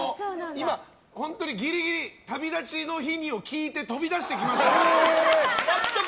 今、本当にギリギリ「旅立ちの日に」を聴いて飛び出してきました。